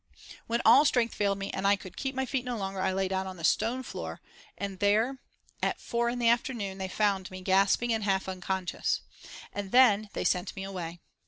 When all strength failed me and I could keep my feet no longer I lay down on the stone floor, and there, at four in the afternoon, they found me, gasping and half unconscious. And then they sent me away.